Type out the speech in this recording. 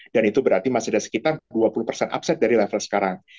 dan itu berarti masih ada sekitar dua puluh upside dari level sekarang